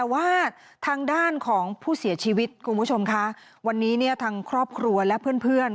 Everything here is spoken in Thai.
แต่ว่าทางด้านของผู้เสียชีวิตคุณผู้ชมค่ะวันนี้เนี่ยทางครอบครัวและเพื่อน